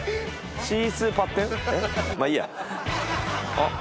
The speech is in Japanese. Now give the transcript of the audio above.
あっ。